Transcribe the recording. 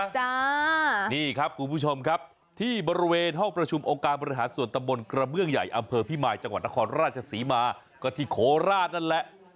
จ้านี่ครับคุณผู้ชมครับที่บริเวณห้องประชุมองค์การบริหารส่วนตำบลกระเบื้องใหญ่อำเภอพิมายจังหวัดนครราชศรีมาก็ที่โคราชนั่นแหละ